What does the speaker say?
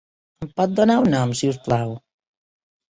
Em pot donar un nom, si us plau?